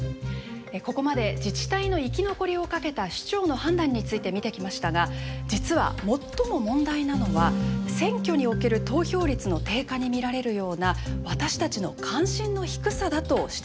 ここまで自治体の生き残りをかけた首長の判断について見てきましたが実は最も問題なのは選挙における投票率の低下に見られるような私たちの関心の低さだと指摘されているんです。